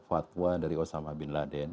fatwa dari osama bin laden